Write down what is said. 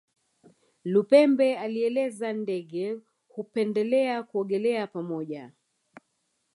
Lupembe alieleza Ndege hupendelea kuogelea pamoja